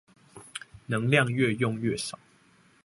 能量愈用愈少